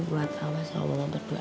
buat awas awa memperdua aja